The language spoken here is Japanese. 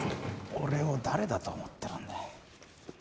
俺を誰だと思ってるんだ？